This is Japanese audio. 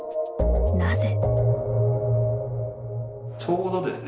なぜ？